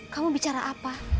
kamu bicara apa